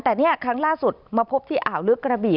แต่นี่ครั้งล่าสุดมาพบที่อ่าวลึกกระบี่